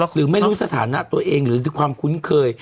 หรือไม่รู้สถานะตัวเองหรือความคุ้นเคย